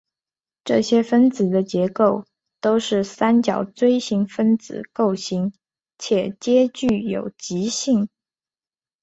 这些分子的结构都是三角锥形分子构型且皆具有极性。